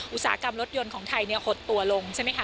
อุตสาหกรรมรถยนต์ของไทยหดตัวลง